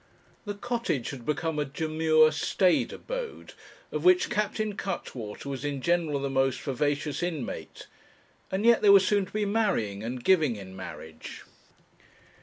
The Cottage had become a demure, staid abode, of which Captain Cuttwater was in general the most vivacious inmate; and yet there was soon to be marrying, and giving in marriage.